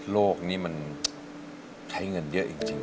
โลกนี้มันใช้เงินเยอะจริง